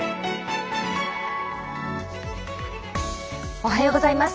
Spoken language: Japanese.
おはようございます。